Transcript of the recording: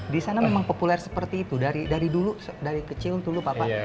di sana memang populer seperti itu dari dulu dari kecil dulu papa